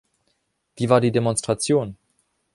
Wie war die Demonstration?